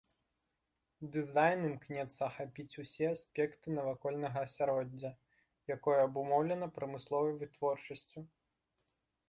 Дызайн імкнецца ахапіць усе аспекты навакольнага асяроддзя, якое абумоўлена прамысловай вытворчасцю.